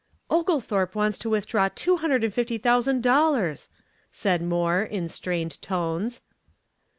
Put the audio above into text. "Oglethorp wants to draw two hundred and fifty thousand dollars," said Moore in strained tones.